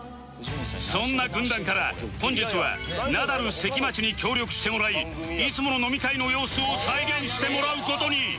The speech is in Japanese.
そんな軍団から本日はナダル関町に協力してもらいいつもの飲み会の様子を再現してもらう事に